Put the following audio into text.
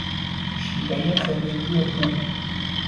شیوهی زندگی او